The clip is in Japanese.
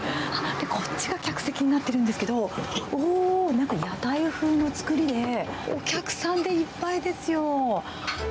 こっちが客席になっているんですけど、おー、なんか屋台風の作りで、お客さんでいっぱいですよ。